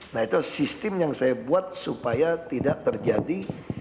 nah itu sistem yang saya buat supaya tidak terjadi